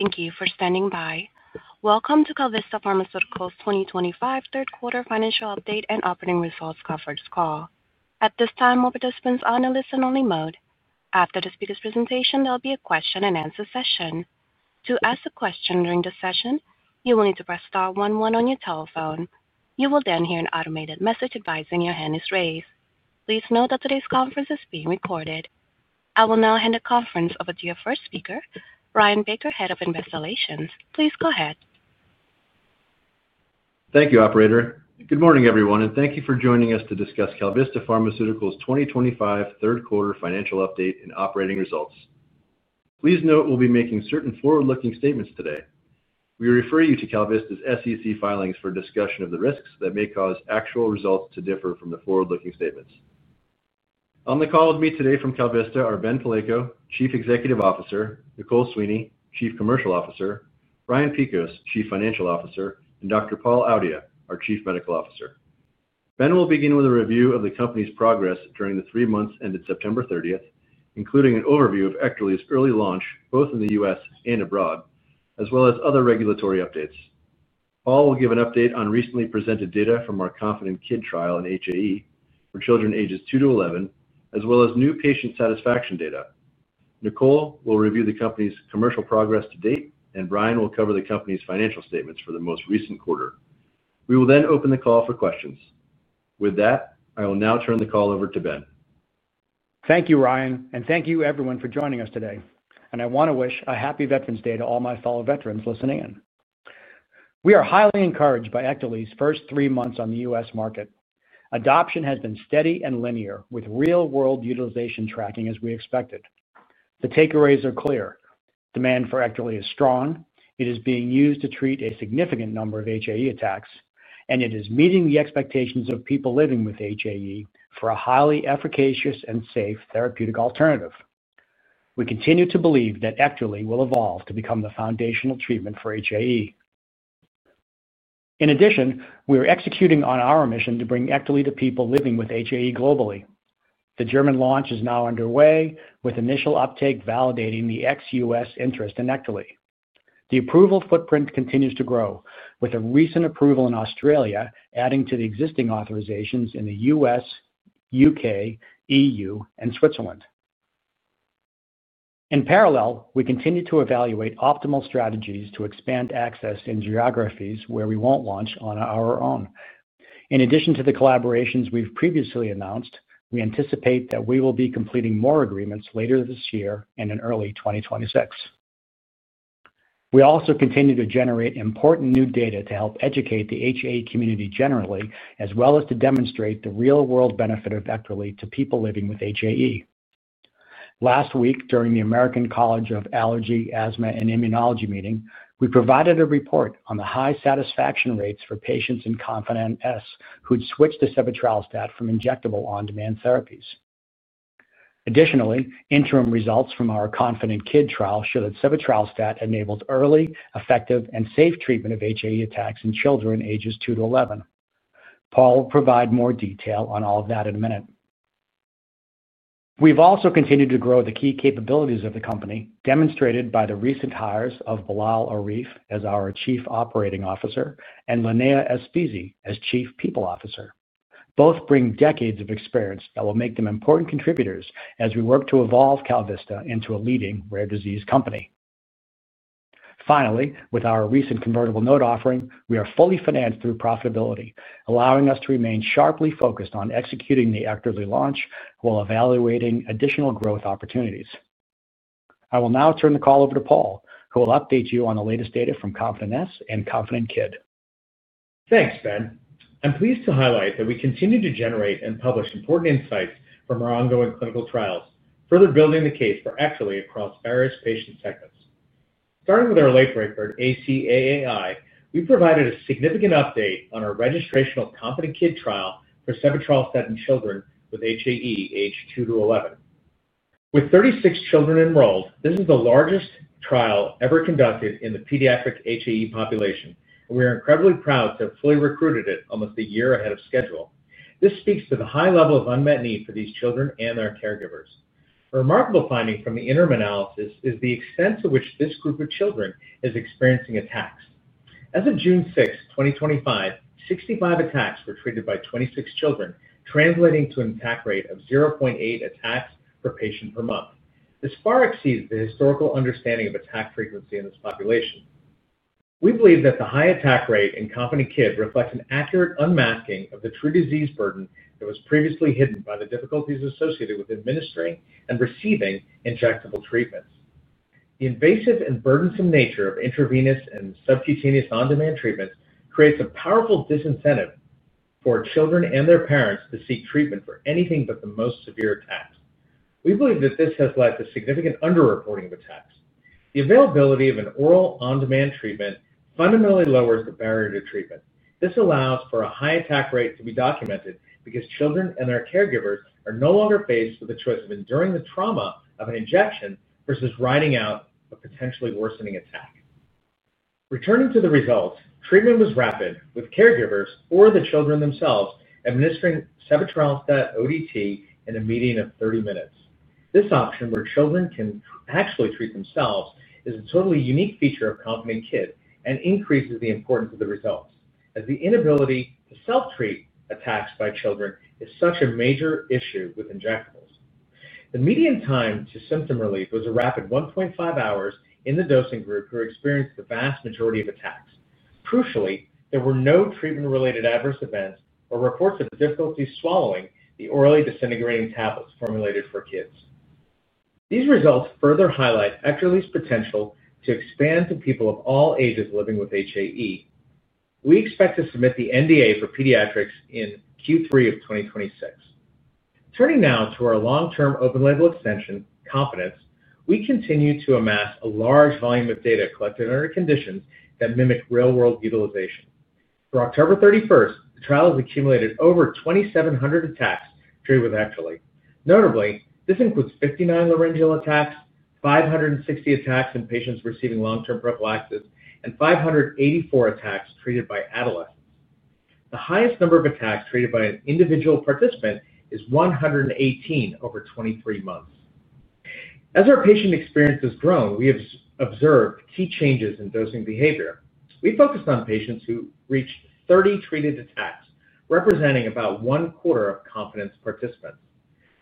Thank you for standing by. Welcome to KalVista Pharmaceuticals' 2025 third-quarter financial update and operating results conference call. At this time, all participants are on a listen-only mode. After the speaker's presentation, there will be a question-and-answer session. To ask a question during this session, you will need to press star one one on your telephone. You will then hear an automated message advising your hand is raised. Please note that today's conference is being recorded. I will now hand the conference over to your first speaker, Ryan Baker, Head of Investor Relations. Please go ahead. Thank you, Operator. Good morning, everyone, and thank you for joining us to discuss KalVista Pharmaceuticals' 2025 third-quarter financial update and operating results. Please note we'll be making certain forward-looking statements today. We refer you to KalVista's SEC filings for discussion of the risks that may cause actual results to differ from the forward-looking statements. On the call with me today from KalVista are Ben Palico, Chief Executive Officer; Nicole Sweeney, Chief Commercial Officer; Brian Piekos, Chief Financial Officer; and Dr. Paul Audia, our Chief Medical Officer. Ben will begin with a review of the company's progress during the three months ended September 30, including an overview of EKTERLY's early launch both in the U.S. and abroad, as well as other regulatory updates. Paul will give an update on recently presented data from our KONFIDENT-KID trial in HAE for children ages 2-11, as well as new patient satisfaction data. Nicole will review the company's commercial progress to date, and Brian will cover the company's financial statements for the most recent quarter. We will then open the call for questions. With that, I will now turn the call over to Ben. Thank you, Ryan, and thank you, everyone, for joining us today. I want to wish a happy Veterans Day to all my fellow veterans listening in. We are highly encouraged by EKTERLY's first three months on the U.S. market. Adoption has been steady and linear, with real-world utilization tracking as we expected. The takeaways are clear. Demand for EKTERLY is strong. It is being used to treat a significant number of HAE attacks, and it is meeting the expectations of people living with HAE for a highly efficacious and safe therapeutic alternative. We continue to believe that EKTERLY will evolve to become the foundational treatment for HAE. In addition, we are executing on our mission to bring EKTERLY to people living with HAE globally. The German launch is now underway, with initial uptake validating the ex-U.S. interest in EKTERLY. The approval footprint continues to grow, with a recent approval in Australia adding to the existing authorizations in the U.S., U.K., EU, and Switzerland. In parallel, we continue to evaluate optimal strategies to expand access in geographies where we won't launch on our own. In addition to the collaborations we've previously announced, we anticipate that we will be completing more agreements later this year and in early 2026. We also continue to generate important new data to help educate the HAE community generally, as well as to demonstrate the real-world benefit of EKTERLY to people living with HAE. Last week, during the American College of Allergy, Asthma, and Immunology meeting, we provided a report on the high satisfaction rates for patients in KONFIDENT-S who'd switched to sebetralstat from injectable on-demand therapies. Additionally, interim results from our KONFIDENT-KID trial show that sebetralstat enables early, effective, and safe treatment of HAE attacks in children ages 2-11. Paul will provide more detail on all of that in a minute. We've also continued to grow the key capabilities of the company, demonstrated by the recent hires of Bilal Arif as our Chief Operating Officer and Linnea Espeasy as Chief People Officer. Both bring decades of experience that will make them important contributors as we work to evolve KalVista into a leading rare disease company. Finally, with our recent convertible note offering, we are fully financed through profitability, allowing us to remain sharply focused on executing the EKTERLY launch while evaluating additional growth opportunities. I will now turn the call over to Paul, who will update you on the latest data from KONFIDENT-S and KONFIDENT-KID. Thanks, Ben. I'm pleased to highlight that we continue to generate and publish important insights from our ongoing clinical trials, further building the case for EKTERLY across various patient segments. Starting with our late breaker, ACAAI, we provided a significant update on our registrational KONFIDENT-KID trial for sebetralstat in children with HAE age 2 to 11. With 36 children enrolled, this is the largest trial ever conducted in the pediatric HAE population, and we are incredibly proud to have fully recruited it almost a year ahead of schedule. This speaks to the high level of unmet need for these children and their caregivers. A remarkable finding from the interim analysis is the extent to which this group of children is experiencing attacks. As of June 6, 2025, 65 attacks were treated by 26 children, translating to an attack rate of 0.8 attacks per patient per month. This far exceeds the historical understanding of attack frequency in this population. We believe that the high attack rate in KONFIDENT-KID reflects an accurate unmasking of the true disease burden that was previously hidden by the difficulties associated with administering and receiving injectable treatments. The invasive and burdensome nature of intravenous and subcutaneous on-demand treatments creates a powerful disincentive for children and their parents to seek treatment for anything but the most severe attacks. We believe that this has led to significant underreporting of attacks. The availability of an oral on-demand treatment fundamentally lowers the barrier to treatment. This allows for a high attack rate to be documented because children and their caregivers are no longer faced with the choice of enduring the trauma of an injection versus riding out a potentially worsening attack. Returning to the results, treatment was rapid, with caregivers or the children themselves administering sebetralstat ODT in a median of 30 minutes. This option, where children can actually treat themselves, is a totally unique feature of KONFIDENT-KID and increases the importance of the results, as the inability to self-treat attacks by children is such a major issue with injectables. The median time to symptom relief was a rapid 1.5 hours in the dosing group who experienced the vast majority of attacks. Crucially, there were no treatment-related adverse events or reports of difficulty swallowing the orally disintegrating tablets formulated for kids. These results further highlight EKTERLY's potential to expand to people of all ages living with HAE. We expect to submit the NDA for pediatrics in Q3 of 2026. Turning now to our long-term open-label extension, Confident, we continue to amass a large volume of data collected under conditions that mimic real-world utilization. For October 31, the trial has accumulated over 2,700 attacks treated with EKTERLY. Notably, this includes 59 laryngeal attacks, 560 attacks in patients receiving long-term prophylaxis, and 584 attacks treated by adolescents. The highest number of attacks treated by an individual participant is 118 over 23 months. As our patient experience has grown, we have observed key changes in dosing behavior. We focused on patients who reached 30 treated attacks, representing about one quarter of Confident's participants.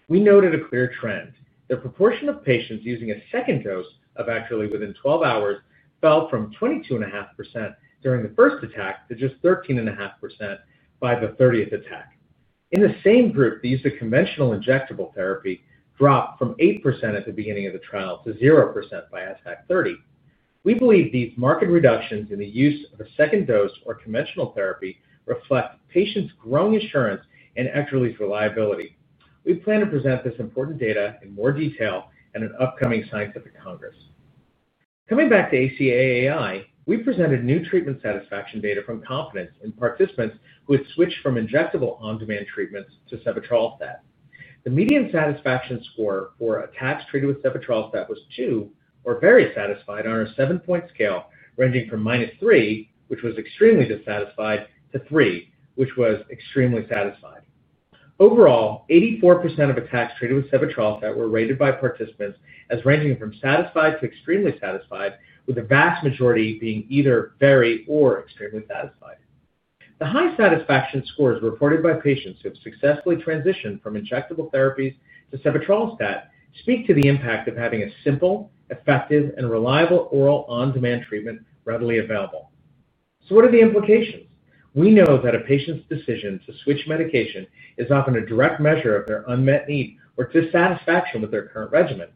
We noted a clear trend. The proportion of patients using a second dose of EKTERLY within 12 hours fell from 22.5% during the first attack to just 13.5% by the 30th attack. In the same group, the use of conventional injectable therapy dropped from 8% at the beginning of the trial to 0% by attack 30. We believe these marked reductions in the use of a second dose or conventional therapy reflect patients' growing assurance in EKTERLY's reliability. We plan to present this important data in more detail at an upcoming scientific congress. Coming back to ACAAI, we presented new treatment satisfaction data from Confident in participants who had switched from injectable on-demand treatments to sebetralstat. The median satisfaction score for attacks treated with sebetralstat was 2, or very satisfied, on a 7-point scale ranging from minus 3, which was extremely dissatisfied, to 3, which was extremely satisfied. Overall, 84% of attacks treated with sebetralstat were rated by participants as ranging from satisfied to extremely satisfied, with the vast majority being either very or extremely satisfied. The high satisfaction scores reported by patients who have successfully transitioned from injectable therapies to sebetralstat speak to the impact of having a simple, effective, and reliable oral on-demand treatment readily available. What are the implications? We know that a patient's decision to switch medication is often a direct measure of their unmet need or dissatisfaction with their current regimen.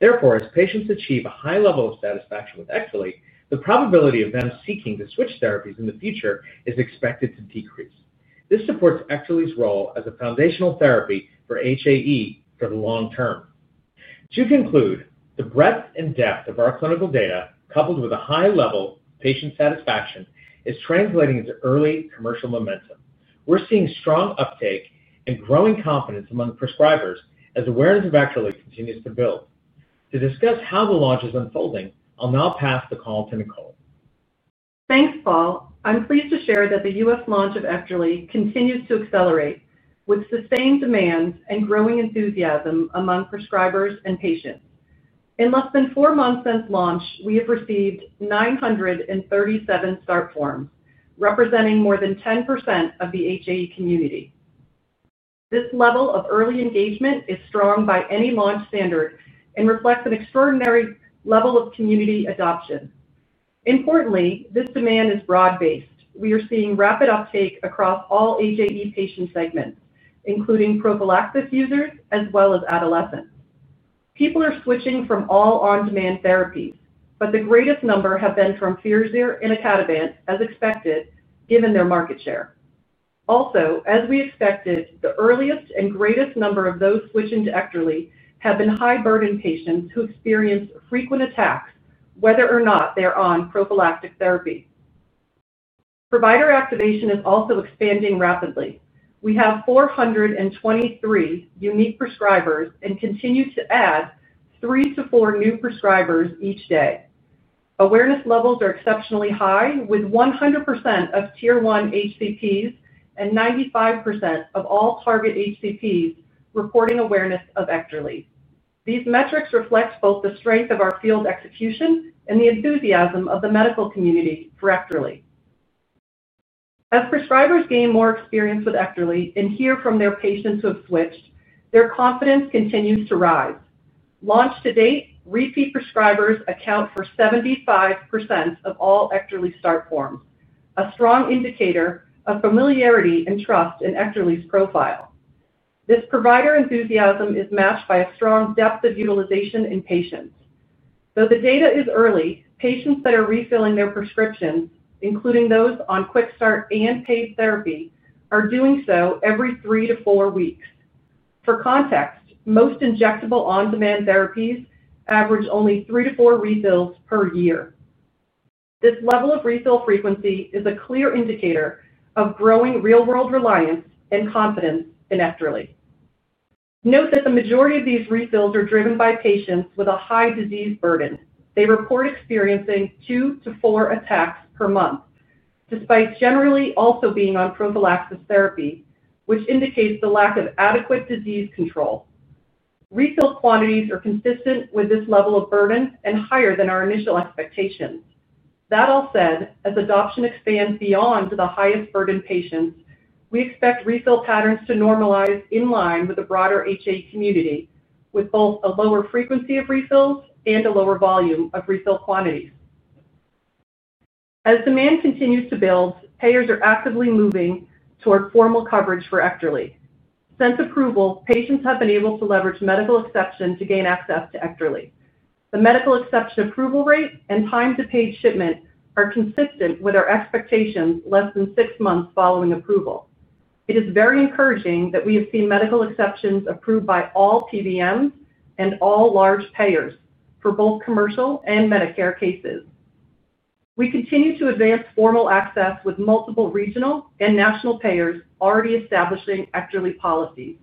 Therefore, as patients achieve a high level of satisfaction with EKTERLY, the probability of them seeking to switch therapies in the future is expected to decrease. This supports EKTERLY's role as a foundational therapy for HAE for the long term. To conclude, the breadth and depth of our clinical data, coupled with a high level of patient satisfaction, is translating into early commercial momentum. We're seeing strong uptake and growing confidence among prescribers as awareness of EKTERLY continues to build. To discuss how the launch is unfolding, I'll now pass the call to Nicole. Thanks, Paul. I'm pleased to share that the U.S. launch of EKTERLY continues to accelerate, with sustained demand and growing enthusiasm among prescribers and patients. In less than four months since launch, we have received 937 start forms, representing more than 10% of the HAE community. This level of early engagement is strong by any launch standard and reflects an extraordinary level of community adoption. Importantly, this demand is broad-based. We are seeing rapid uptake across all HAE patient segments, including prophylaxis users as well as adolescents. People are switching from all on-demand therapies, but the greatest number have been from Firazyr and icatibant, as expected, given their market share. Also, as we expected, the earliest and greatest number of those switching to EKTERLY have been high-burden patients who experience frequent attacks, whether or not they're on prophylactic therapy. Provider activation is also expanding rapidly. We have 423 unique prescribers and continue to add three to four new prescribers each day. Awareness levels are exceptionally high, with 100% of tier one HCPs and 95% of all target HCPs reporting awareness of EKTERLY. These metrics reflect both the strength of our field execution and the enthusiasm of the medical community for EKTERLY. As prescribers gain more experience with EKTERLY and hear from their patients who have switched, their confidence continues to rise. Launch to date, repeat prescribers account for 75% of all EKTERLY start forms, a strong indicator of familiarity and trust in EKTERLY's profile. This provider enthusiasm is matched by a strong depth of utilization in patients. Though the data is early, patients that are refilling their prescriptions, including those on Quick Start and paid therapy, are doing so every three to four weeks. For context, most injectable on-demand therapies average only three to four refills per year. This level of refill frequency is a clear indicator of growing real-world reliance and confidence in EKTERLY. Note that the majority of these refills are driven by patients with a high disease burden. They report experiencing two to four attacks per month, despite generally also being on prophylaxis therapy, which indicates the lack of adequate disease control. Refill quantities are consistent with this level of burden and higher than our initial expectations. That all said, as adoption expands beyond the highest burden patients, we expect refill patterns to normalize in line with the broader HAE community, with both a lower frequency of refills and a lower volume of refill quantities. As demand continues to build, payers are actively moving toward formal coverage for EKTERLY. Since approval, patients have been able to leverage medical exception to gain access to EKTERLY. The medical exception approval rate and time to paid shipment are consistent with our expectations less than six months following approval. It is very encouraging that we have seen medical exceptions approved by all PBMs and all large payers for both commercial and Medicare cases. We continue to advance formal access with multiple regional and national payers already establishing EKTERLY policies.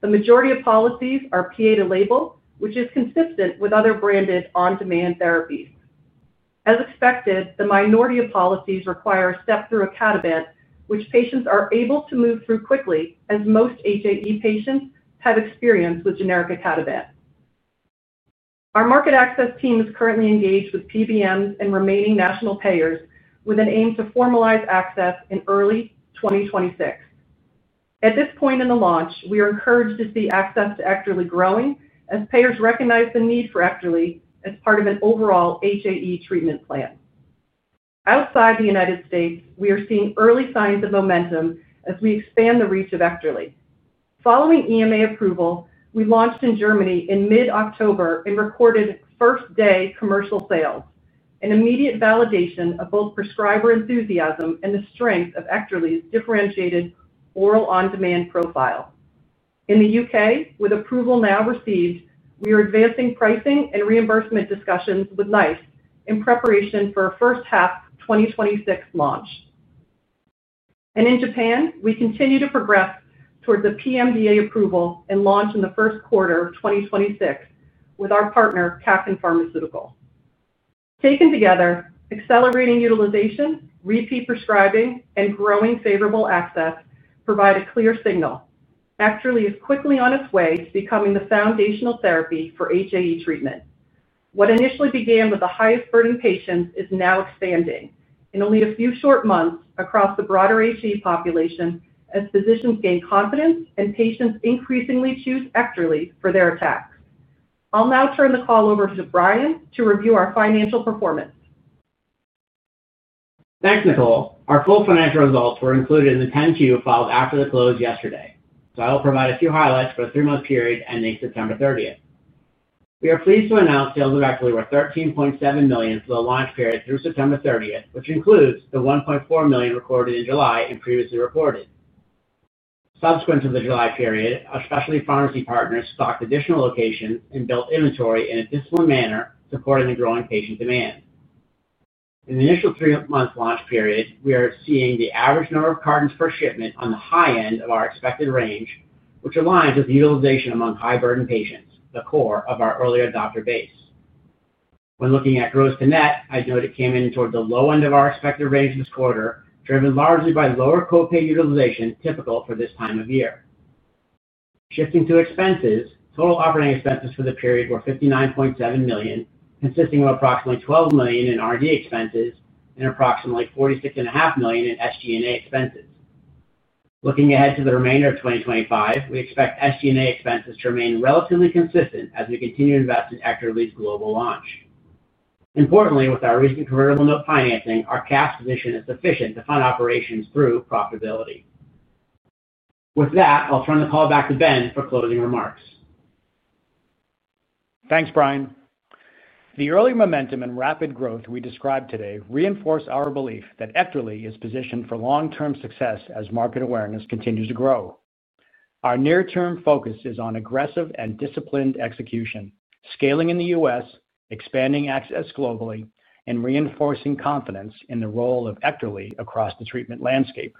The majority of policies are PA to label, which is consistent with other branded on-demand therapies. As expected, the minority of policies require a step through icatibant, which patients are able to move through quickly, as most HAE patients have experience with generic icatibant. Our market access team is currently engaged with PBMs and remaining national payers with an aim to formalize access in early 2026. At this point in the launch, we are encouraged to see access to EKTERLY growing as payers recognize the need for EKTERLY as part of an overall HAE treatment plan. Outside the U.S., we are seeing early signs of momentum as we expand the reach of EKTERLY. Following EMA approval, we launched in Germany in mid-October and recorded first-day commercial sales, an immediate validation of both prescriber enthusiasm and the strength of EKTERLY's differentiated oral on-demand profile. In the U.K., with approval now received, we are advancing pricing and reimbursement discussions with NICE in preparation for a first-half 2026 launch. In Japan, we continue to progress toward the PMDA approval and launch in the first quarter of 2026 with our partner, Kaken Pharmaceutical. Taken together, accelerating utilization, repeat prescribing, and growing favorable access provide a clear signal: EKTERLY is quickly on its way to becoming the foundational therapy for HAE treatment. What initially began with the highest burden patients is now expanding, in only a few short months, across the broader HAE population as physicians gain confidence and patients increasingly choose EKTERLY for their attacks. I'll now turn the call over to Brian to review our financial performance. Thanks, Nicole. Our full financial results were included in the 10-Q filed after the close yesterday, so I'll provide a few highlights for the three-month period ending September 30. We are pleased to announce sales of EKTERLY were $13.7 million for the launch period through September 30, which includes the $1.4 million recorded in July and previously reported. Subsequent to the July period, our specialty pharmacy partners stocked additional locations and built inventory in a disciplined manner, supporting the growing patient demand. In the initial three-month launch period, we are seeing the average number of cartons per shipment on the high end of our expected range, which aligns with utilization among high-burden patients, the core of our early adopter base. When looking at gross to net, I'd note it came in toward the low end of our expected range this quarter, driven largely by lower copay utilization typical for this time of year. Shifting to expenses, total operating expenses for the period were $59.7 million, consisting of approximately $12 million in R&D expenses and approximately $46.5 million in SG&A expenses. Looking ahead to the remainder of 2025, we expect SG&A expenses to remain relatively consistent as we continue to invest in EKTERLY's global launch. Importantly, with our recent convertible note financing, our cash position is sufficient to fund operations through profitability. With that, I'll turn the call back to Ben for closing remarks. Thanks, Brian. The early momentum and rapid growth we described today reinforce our belief that EKTERLY is positioned for long-term success as market awareness continues to grow. Our near-term focus is on aggressive and disciplined execution, scaling in the U.S., expanding access globally, and reinforcing confidence in the role of EKTERLY across the treatment landscape.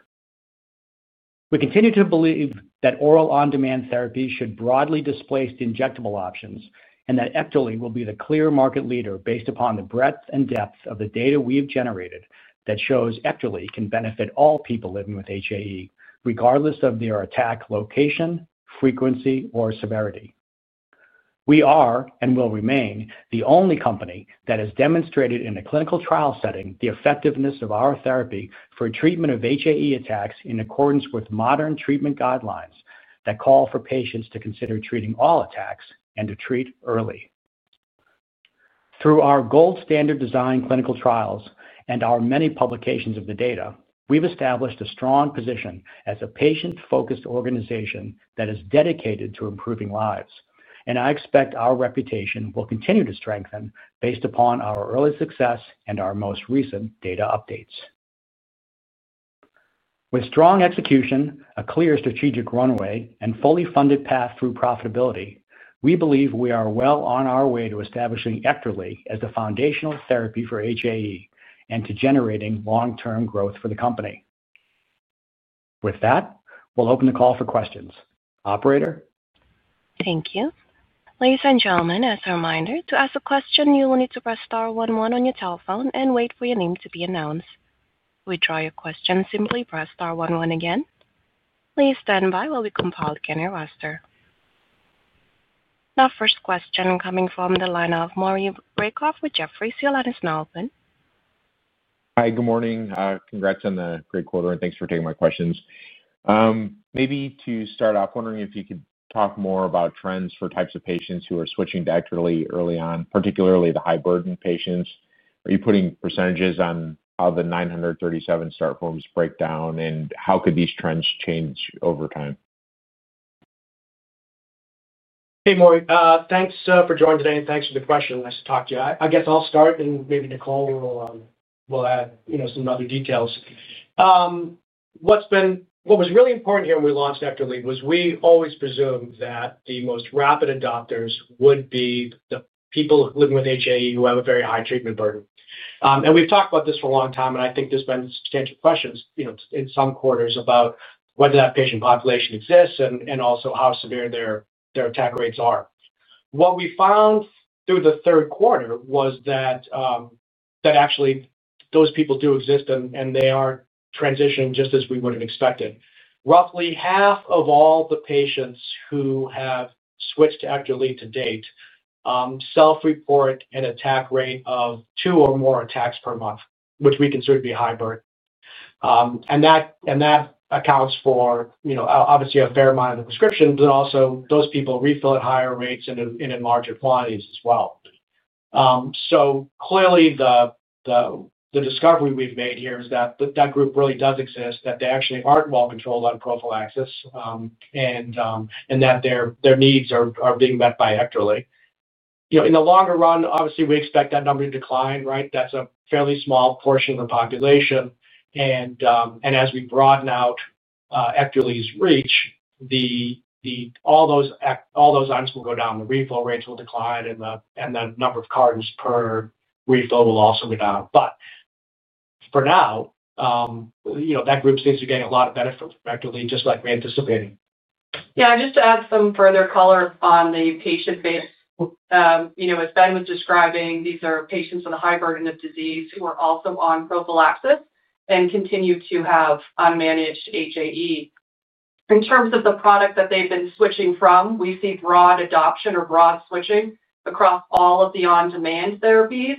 We continue to believe that oral on-demand therapies should broadly displace injectable options and that EKTERLY will be the clear market leader based upon the breadth and depth of the data we've generated that shows EKTERLY can benefit all people living with HAE, regardless of their attack location, frequency, or severity. We are, and will remain, the only company that has demonstrated in a clinical trial setting the effectiveness of our therapy for treatment of HAE attacks in accordance with modern treatment guidelines that call for patients to consider treating all attacks and to treat early. Through our gold-standard design clinical trials and our many publications of the data, we've established a strong position as a patient-focused organization that is dedicated to improving lives, and I expect our reputation will continue to strengthen based upon our early success and our most recent data updates. With strong execution, a clear strategic runway, and a fully funded path through profitability, we believe we are well on our way to establishing EKTERLY as the foundational therapy for HAE and to generating long-term growth for the company. With that, we'll open the call for questions. Operator. Thank you. Ladies and gentlemen, as a reminder, to ask a question, you will need to press star one one on your telephone and wait for your name to be announced. If we draw your question, simply press star one one again. Please stand by while we compile the queue roster. Now, first question coming from the line of Maury Raycroft with Jefferies, your line is now open. Hi, good morning. Congrats on the great quarter, and thanks for taking my questions. Maybe to start off, wondering if you could talk more about trends for types of patients who are switching to EKTERLY early on, particularly the high-burden patients. Are you putting percentages on how the 937 start forms break down, and how could these trends change over time? Hey, Maury. Thanks for joining today, and thanks for the question. Nice to talk to you. I guess I'll start, and maybe Nicole will add some other details. What was really important here when we launched EKTERLY was we always presumed that the most rapid adopters would be the people living with HAE who have a very high treatment burden. We've talked about this for a long time, and I think there's been substantial questions in some quarters about whether that patient population exists and also how severe their attack rates are. What we found through the third quarter was that actually those people do exist, and they are transitioning just as we would have expected. Roughly half of all the patients who have switched to EKTERLY to date self-report an attack rate of two or more attacks per month, which we consider to be high burden. That accounts for, obviously, a fair amount of the prescription, but also those people refill at higher rates and in larger quantities as well. Clearly, the discovery we've made here is that that group really does exist, that they actually aren't well controlled on prophylaxis, and that their needs are being met by EKTERLY. In the longer run, obviously, we expect that number to decline, right? That's a fairly small portion of the population. As we broaden out EKTERLY's reach, all those items will go down. The refill rates will decline, and the number of cartons per refill will also go down. For now, that group seems to be getting a lot of benefit from EKTERLY, just like we anticipated. Yeah, just to add some further color on the patient base, as Ben was describing, these are patients with a high burden of disease who are also on prophylaxis and continue to have unmanaged HAE. In terms of the product that they've been switching from, we see broad adoption or broad switching across all of the on-demand therapies.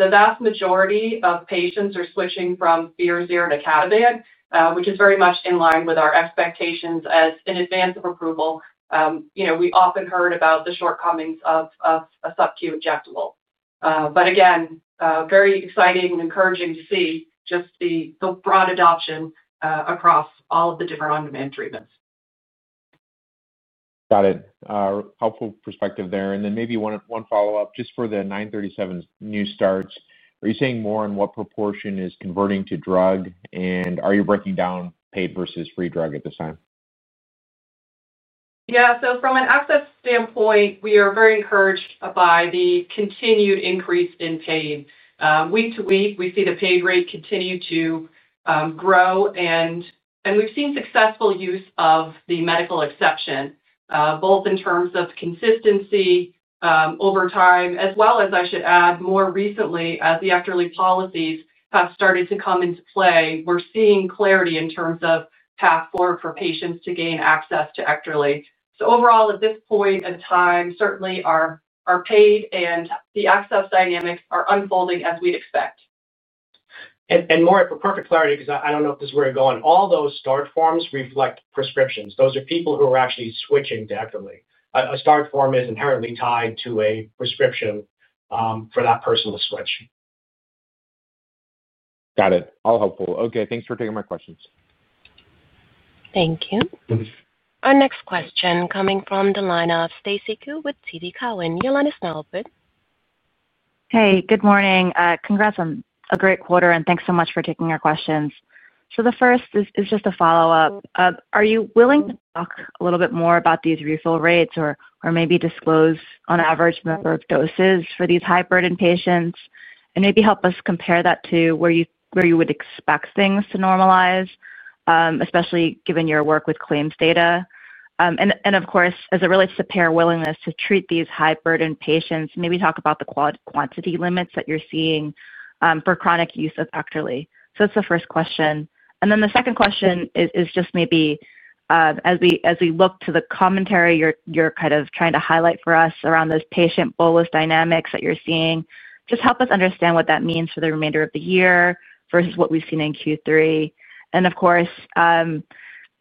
The vast majority of patients are switching from Firazyr and icatibant, which is very much in line with our expectations as in advance of approval. We often heard about the shortcomings of a sub-Q injectable. Very exciting and encouraging to see just the broad adoption across all of the different on-demand treatments. Got it. Helpful perspective there. Maybe one follow-up, just for the 937 new starts, are you seeing more in what proportion is converting to drug, and are you breaking down paid versus free drug at this time? Yeah. So from an access standpoint, we are very encouraged by the continued increase in paid. Week to week, we see the paid rate continue to grow, and we've seen successful use of the medical exception, both in terms of consistency over time, as well as, I should add, more recently, as the EKTERLY policies have started to come into play, we're seeing clarity in terms of path forward for patients to gain access to EKTERLY. Overall, at this point in time, certainly our paid and the access dynamics are unfolding as we'd expect. For perfect clarity, because I don't know if this is where you're going, all those start forms reflect prescriptions. Those are people who are actually switching to EKTERLY. A start form is inherently tied to a prescription for that person to switch. Got it. All helpful. Okay, thanks for taking my questions. Thank you. Our next question coming from the line of Stacy Ku with TD Cowen. You'll let us know. Hey, good morning. Congrats on a great quarter, and thanks so much for taking our questions. The first is just a follow-up. Are you willing to talk a little bit more about these refill rates or maybe disclose an average number of doses for these high-burden patients? Maybe help us compare that to where you would expect things to normalize, especially given your work with claims data. Of course, as it relates to payer willingness to treat these high-burden patients, maybe talk about the quantity limits that you're seeing for chronic use of EKTERLY. That's the first question. The second question is just maybe, as we look to the commentary you're kind of trying to highlight for us around those patient bolus dynamics that you're seeing, just help us understand what that means for the remainder of the year versus what we've seen in Q3. Of course,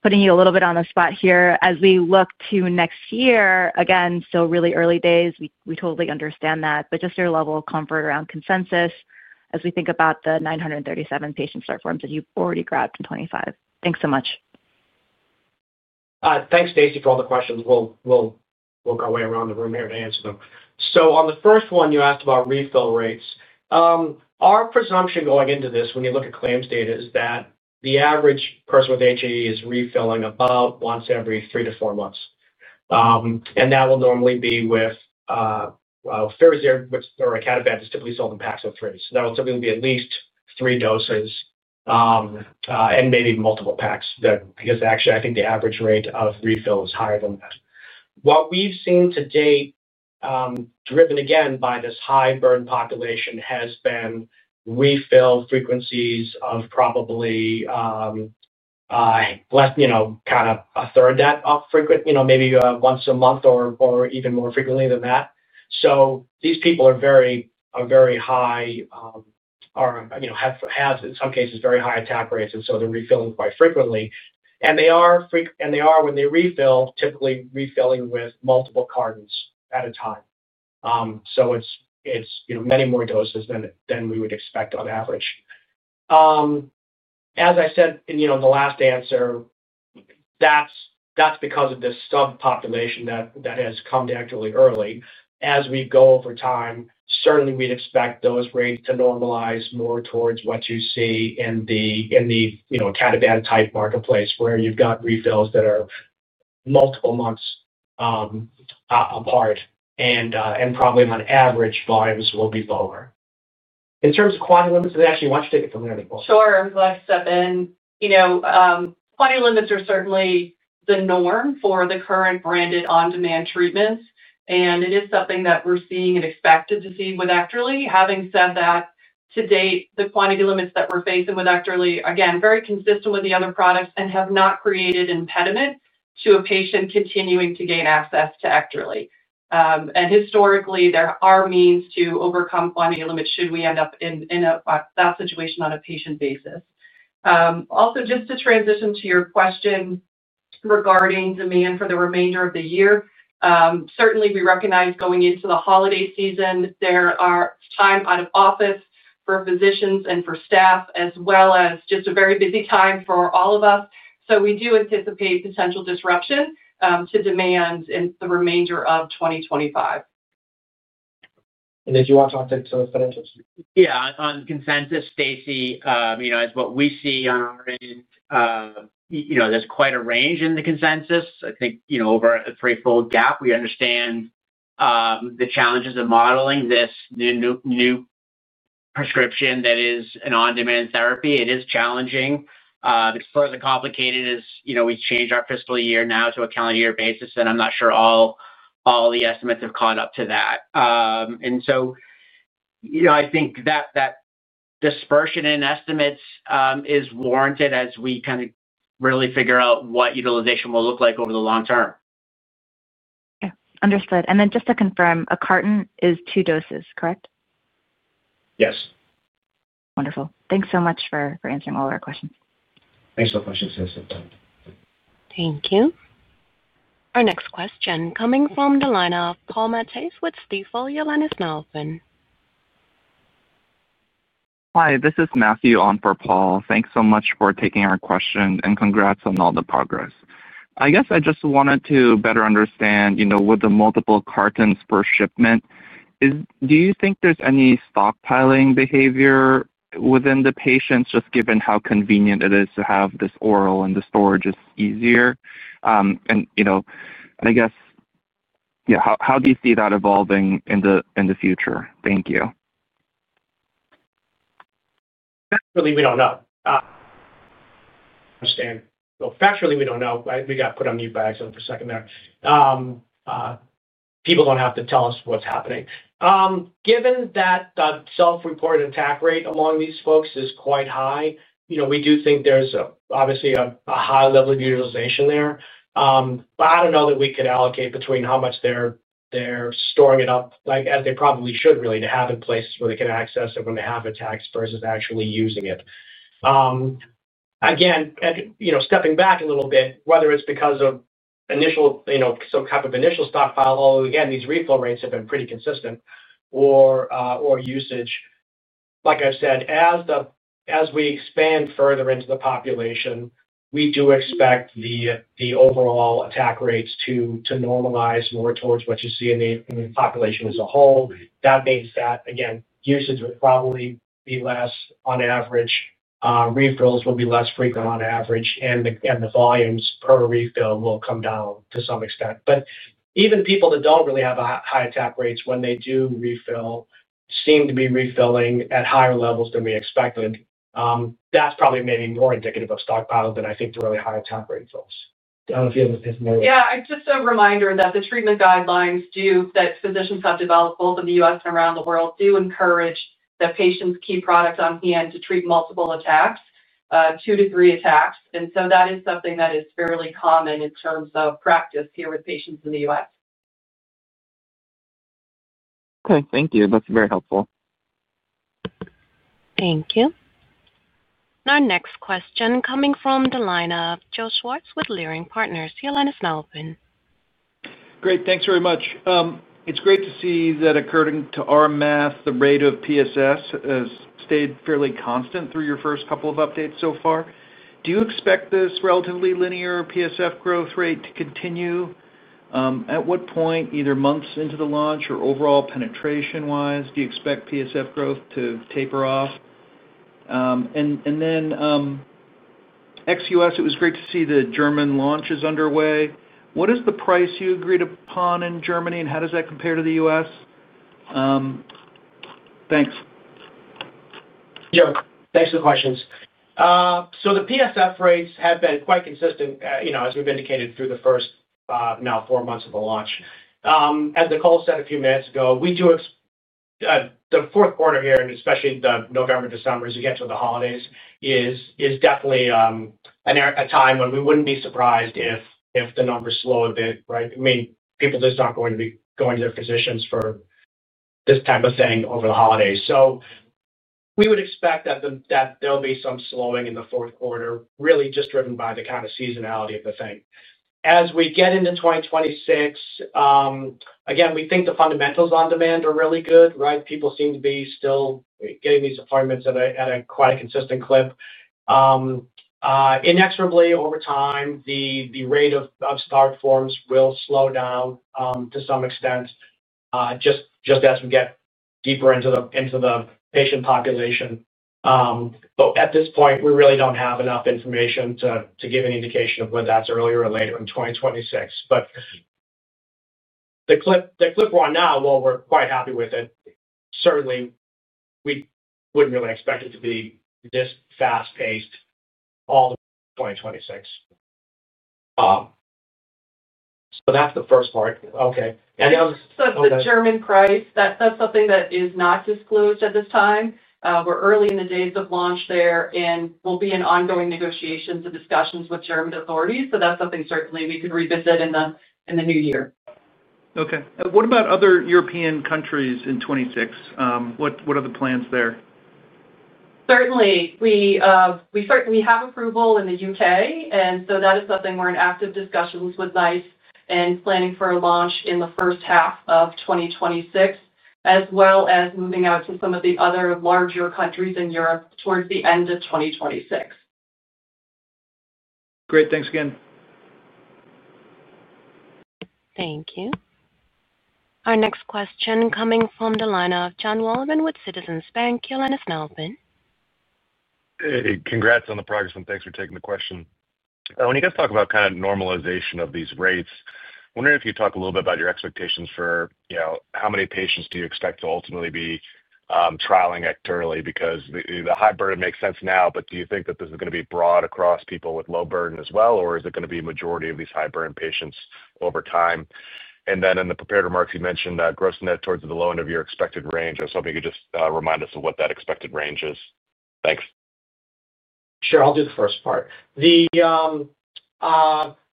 putting you a little bit on the spot here, as we look to next year, again, still really early days, we totally understand that, but just your level of comfort around consensus as we think about the 937 patient start forms that you've already grabbed in 2025. Thanks so much. Thanks, Stacy, for all the questions. We'll work our way around the room here to answer them. On the first one, you asked about refill rates. Our presumption going into this, when you look at claims data, is that the average person with HAE is refilling about once every three to four months. That will normally be with Firazyr, which or icatibant is typically sold in packs of three. That will typically be at least three doses and maybe multiple packs, because actually, I think the average rate of refill is higher than that. What we've seen to date, driven again by this high-burden population, has been refill frequencies of probably kind of 1/3 of that, maybe once a month or even more frequently than that. These people are very high or have in some cases very high attack rates, and so they're refilling quite frequently. They are, when they refill, typically refilling with multiple cartons at a time. It's many more doses than we would expect on average. As I said in the last answer, that's because of this subpopulation that has come to EKTERLY early. As we go over time, certainly we'd expect those rates to normalize more towards what you see in the icatibant-type marketplace where you've got refills that are multiple months apart, and probably on average, volumes will be lower. In terms of quantity limits, actually, why don't you take it from there, Nicole? Sure. I'm glad to step in. Quantity limits are certainly the norm for the current branded on-demand treatments, and it is something that we're seeing and expected to see with EKTERLY. Having said that, to date, the quantity limits that we're facing with EKTERLY, again, very consistent with the other products, and have not created impediment to a patient continuing to gain access to EKTERLY. Historically, there are means to overcome quantity limits should we end up in that situation on a patient basis. Also, just to transition to your question regarding demand for the remainder of the year, certainly we recognize going into the holiday season, there are time out of office for physicians and for staff, as well as just a very busy time for all of us. We do anticipate potential disruption to demand in the remainder of 2025. Do you want to talk to the financials? Yeah. On consensus, Stacy, as what we see on our end, there's quite a range in the consensus. I think over a threefold gap, we understand the challenges of modeling this new prescription that is an on-demand therapy. It is challenging. It is further complicated as we change our fiscal year now to a calendar year basis, and I'm not sure all the estimates have caught up to that. I think that dispersion in estimates is warranted as we kind of really figure out what utilization will look like over the long term. Yeah. Understood. And then just to confirm, a carton is two doses, correct? Yes. Wonderful. Thanks so much for answering all of our questions. Thanks for the questions, Stacy. Thank you. Our next question coming from the line of Paul Matteis with Stifel, Your line is open. Hi, this is Matthew on for Paul. Thanks so much for taking our question, and congrats on all the progress. I guess I just wanted to better understand with the multiple cartons per shipment, do you think there's any stockpiling behavior within the patients, just given how convenient it is to have this oral and the storage is easier? I guess, yeah, how do you see that evolving in the future? Thank you. Factually, we don't know. I understand. Factually, we don't know. We got put on mute by accident for a second there. People don't have to tell us what's happening. Given that self-reported attack rate among these folks is quite high, we do think there's obviously a high level of utilization there. I don't know that we could allocate between how much they're storing it up, as they probably should really, to have in places where they can access it when they have attacks versus actually using it. Again, stepping back a little bit, whether it's because of some type of initial stockpile. Although, again, these refill rates have been pretty consistent or usage. Like I said, as we expand further into the population, we do expect the overall attack rates to normalize more towards what you see in the population as a whole. That means that, again, usage will probably be less on average. Refills will be less frequent on average, and the volumes per refill will come down to some extent. Even people that do not really have high attack rates, when they do refill, seem to be refilling at higher levels than we expected. That is probably maybe more indicative of stockpile than I think the really high attack rate folks. I do not know if you have anything else. Yeah. Just a reminder that the treatment guidelines that physicians have developed both in the U.S. and around the world do encourage that patients keep products on hand to treat multiple attacks, two to three attacks. That is something that is fairly common in terms of practice here with patients in the U.S. Okay. Thank you. That's very helpful. Thank you. Our next question coming from the line of Joe Schwartz with Leerink Partners. Your line is now open. Great. Thanks very much. It's great to see that according to our math, the rate of PSF has stayed fairly constant through your first couple of updates so far. Do you expect this relatively linear PSF growth rate to continue? At what point, either months into the launch or overall penetration-wise, do you expect PSF growth to taper off? XUS, it was great to see the German launch is underway. What is the price you agreed upon in Germany, and how does that compare to the U.S.? Thanks. Joe, thanks for the questions. The PSF rates have been quite consistent as we've indicated through the first now four months of the launch. As Nicole said a few minutes ago, the fourth quarter here, and especially the November, December, as you get to the holidays, is definitely a time when we would not be surprised if the numbers slow a bit, right? I mean, people just are not going to be going to their physicians for this type of thing over the holidays. We would expect that there will be some slowing in the fourth quarter, really just driven by the kind of seasonality of the thing. As we get into 2026, again, we think the fundamentals on demand are really good, right? People seem to be still getting these appointments at quite a consistent clip. Inexorably, over time, the rate of start forms will slow down to some extent just as we get deeper into the patient population. At this point, we really do not have enough information to give an indication of whether that is earlier or later in 2026. The clip we are on now, we are quite happy with it. Certainly, we would not really expect it to be this fast-paced all of 2026. That is the first part. Okay. The German price, that is something that is not disclosed at this time. We are early in the days of launch there, and we will be in ongoing negotiations and discussions with German authorities. That is something certainly we could revisit in the new year. Okay. What about other European countries in 2026? What are the plans there? Certainly. We have approval in the U.K., and so that is something we're in active discussions with NICE and planning for a launch in the first half of 2026, as well as moving out to some of the other larger countries in Europe towards the end of 2026. Great. Thanks again. Thank you. Our next question coming from the line of John Wallman with Citizens Bank, Your line is now open. Hey, congrats on the progress, and thanks for taking the question. When you guys talk about kind of normalization of these rates, I'm wondering if you'd talk a little bit about your expectations for how many patients do you expect to ultimately be trialing EKTERLY? Because the high burden makes sense now, but do you think that this is going to be broad across people with low burden as well, or is it going to be a majority of these high-burden patients over time? In the prepared remarks, you mentioned gross net towards the low end of your expected range. I was hoping you could just remind us of what that expected range is. Thanks. Sure. I'll do the first part.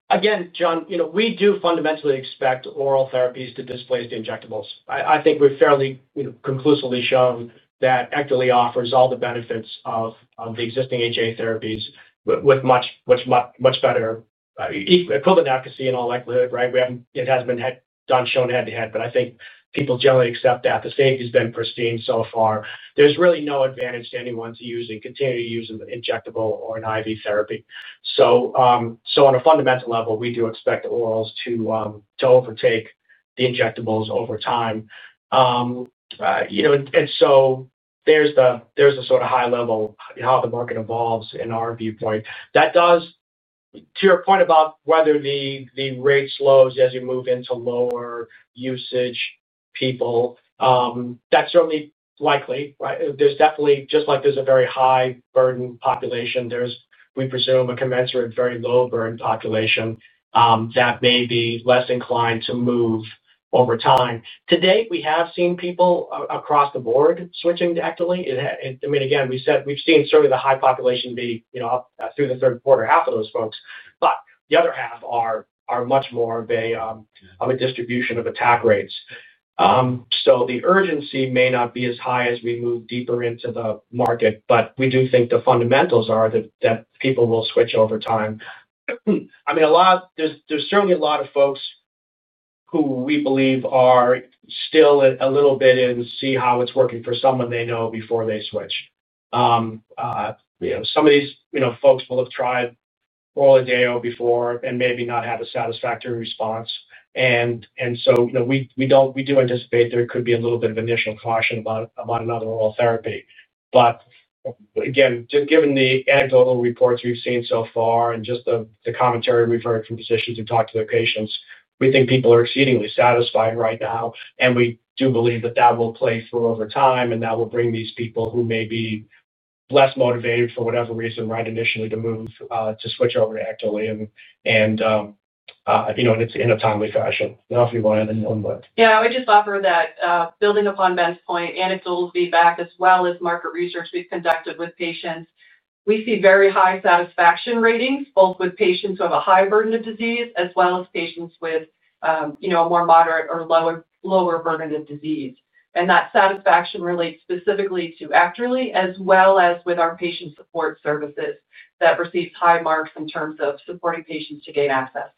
Again, John, we do fundamentally expect oral therapies to displace the injectables. I think we've fairly conclusively shown that EKTERLY offers all the benefits of the existing HAE therapies with much better equivalent accuracy in all likelihood, right? It hasn't been shown head-to-head, but I think people generally accept that the safety has been pristine so far. There's really no advantage to anyone to continue to use an injectable or an IV therapy. On a fundamental level, we do expect orals to overtake the injectables over time. There's the sort of high level how the market evolves in our viewpoint. That does, to your point about whether the rate slows as you move into lower usage people, that's certainly likely, right? Just like there's a very high-burden population, we presume a commensurate very low-burden population that may be less inclined to move over time. Today, we have seen people across the board switching to EKTERLY. I mean, again, we've seen certainly the high population be up through the third quarter, half of those folks. The other half are much more of a distribution of attack rates. The urgency may not be as high as we move deeper into the market, but we do think the fundamentals are that people will switch over time. I mean, there's certainly a lot of folks who we believe are still a little bit in see how it's working for someone they know before they switch. Some of these folks will have tried oral Adeo before and maybe not have a satisfactory response. We do anticipate there could be a little bit of initial caution about another oral therapy. Again, just given the anecdotal reports we've seen so far and the commentary we've heard from physicians who talk to their patients, we think people are exceedingly satisfied right now. We do believe that that will play through over time, and that will bring these people who may be less motivated for whatever reason, initially to move to switch over to EKTERLY in a timely fashion. I don't know if you want to add anything on that. Yeah. I would just offer that, building upon Ben's point, anecdotal feedback as well as market research we've conducted with patients, we see very high satisfaction ratings both with patients who have a high burden of disease as well as patients with a more moderate or lower burden of disease. That satisfaction relates specifically to EKTERLY as well as with our patient support services that receive high marks in terms of supporting patients to gain access.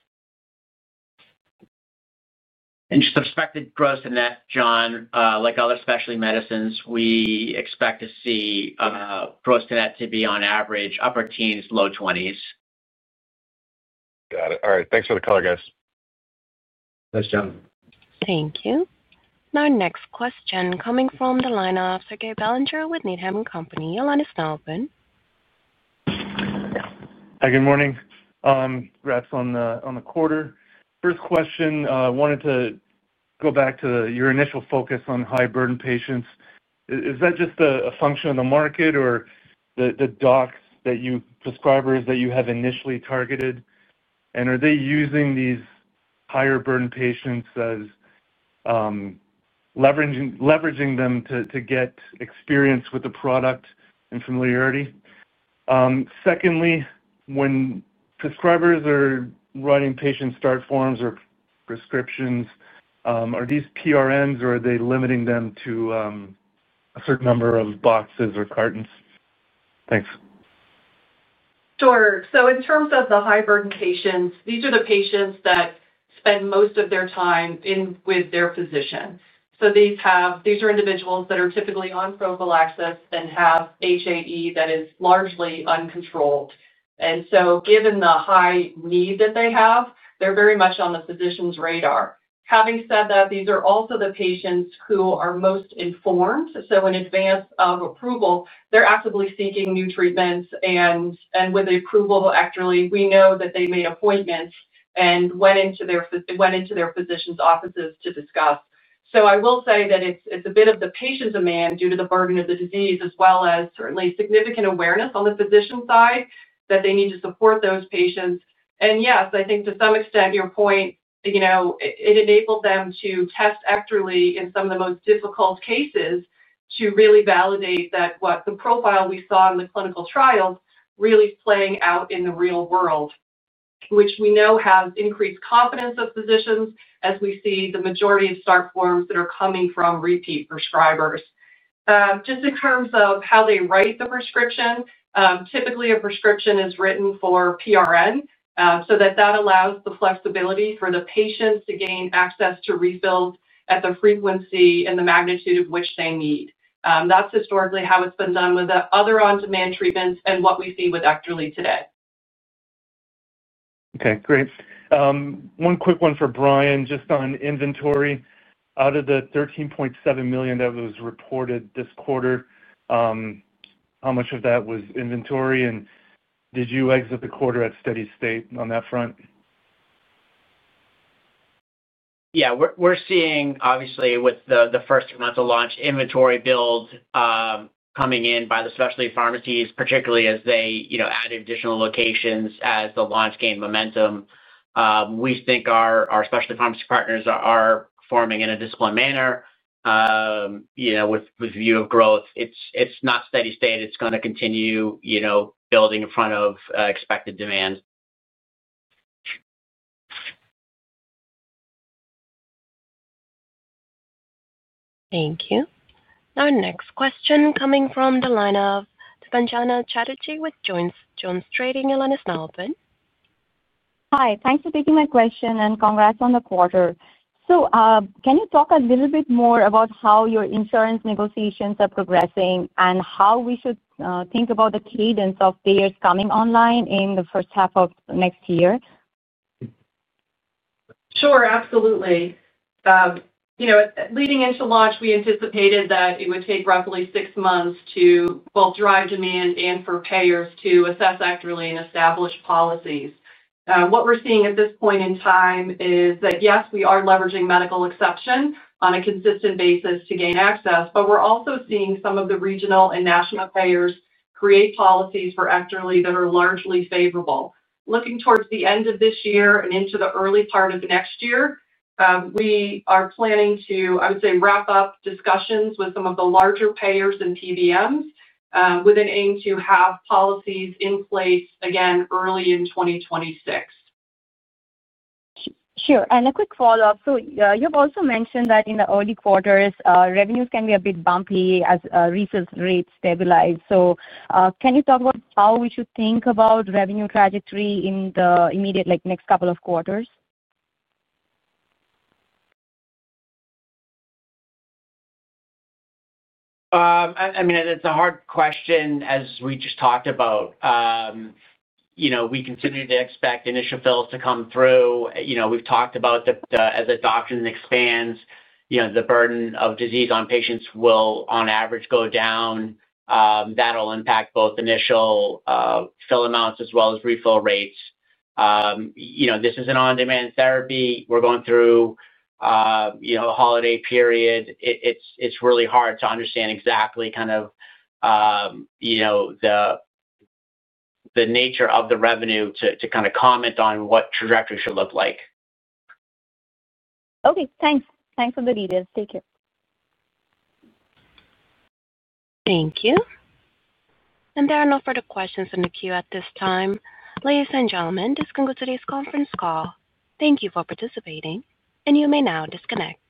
Just expected growth in that, John, like other specialty medicines, we expect to see growth in that to be on average upper teens, low 20s. Got it. All right. Thanks for the call, guys. Thanks, John. Thank you. Our next question coming from the line of Sergey Serge Belanger with Needham & Company, Your line is now open. Hi, good morning. Congrats on the quarter. First question, I wanted to go back to your initial focus on high-burden patients. Is that just a function of the market or the docs that you prescribe or that you have initially targeted? Are they using these higher-burden patients as leveraging them to get experience with the product and familiarity? Secondly, when prescribers are writing patient start forms or prescriptions, are these PRNs or are they limiting them to a certain number of boxes or cartons? Thanks. Sure. In terms of the high-burden patients, these are the patients that spend most of their time with their physician. These are individuals that are typically on prophylaxis and have HAE that is largely uncontrolled. Given the high need that they have, they're very much on the physician's radar. Having said that, these are also the patients who are most informed. In advance of approval, they're actively seeking new treatments. With the approval of EKTERLY, we know that they made appointments and went into their physician's offices to discuss. I will say that it's a bit of the patient's demand due to the burden of the disease as well as certainly significant awareness on the physician side that they need to support those patients. Yes, I think to some extent, your point, it enabled them to test EKTERLY in some of the most difficult cases to really validate that what the profile we saw in the clinical trials really is playing out in the real world, which we know has increased confidence of physicians as we see the majority of start forms that are coming from repeat prescribers. Just in terms of how they write the prescription, typically a prescription is written for PRN so that allows the flexibility for the patients to gain access to refills at the frequency and the magnitude of which they need. That's historically how it's been done with the other on-demand treatments and what we see with EKTERLY today. Okay. Great. One quick one for Brian, just on inventory. Out of the $13.7 million that was reported this quarter, how much of that was inventory? And did you exit the quarter at steady state on that front? Yeah. We're seeing, obviously, with the first month of launch, inventory builds coming in by the specialty pharmacies, particularly as they added additional locations as the launch gained momentum. We think our specialty pharmacy partners are performing in a disciplined manner with view of growth. It's not steady state. It's going to continue building in front of expected demand. Thank you. Our next question coming from the line of Debanjana Chatterjee with Jones Trading, Your line is now open. Hi. Thanks for taking my question and congrats on the quarter. Can you talk a little bit more about how your insurance negotiations are progressing and how we should think about the cadence of payers coming online in the first half of next year? Sure. Absolutely. Leading into launch, we anticipated that it would take roughly six months to both drive demand and for payers to assess EKTERLY and establish policies. What we're seeing at this point in time is that, yes, we are leveraging medical exception on a consistent basis to gain access, but we're also seeing some of the regional and national payers create policies for EKTERLY that are largely favorable. Looking towards the end of this year and into the early part of next year, we are planning to, I would say, wrap up discussions with some of the larger payers and PBMs with an aim to have policies in place again early in 2026. Sure. A quick follow-up. You've also mentioned that in the early quarters, revenues can be a bit bumpy as refill rates stabilize. Can you talk about how we should think about revenue trajectory in the immediate next couple of quarters? I mean, it's a hard question as we just talked about. We continue to expect initial fills to come through. We've talked about that as adoption expands, the burden of disease on patients will, on average, go down. That'll impact both initial fill amounts as well as refill rates. This is an on-demand therapy. We're going through a holiday period. It's really hard to understand exactly kind of the nature of the revenue to kind of comment on what trajectory should look like. Okay. Thanks. Thanks for the details. Take care. Thank you. There are no further questions in the queue at this time. Ladies and gentlemen, this concludes today's conference call. Thank you for participating, and you may now disconnect.